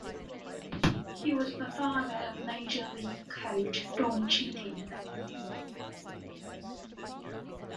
He was the father of major league coach Dom Chiti.